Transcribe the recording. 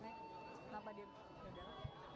masalah mau biji juga pak